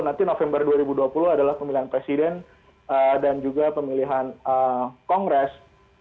nanti november dua ribu dua puluh adalah pemilihan presiden dan juga pemilihan kongres